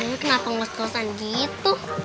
ayah kenapa ngelos glosan gitu